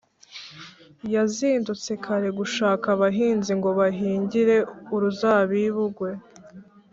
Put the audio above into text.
yazindutse kare gushaka abahinzi ngo bahingire uruzabibu rwe.